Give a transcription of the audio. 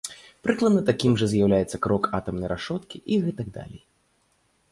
Прыкладна такім жа з'яўляецца крок атамнай рашоткі і гэтак далей.